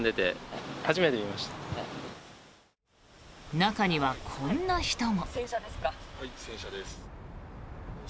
中には、こんな人も。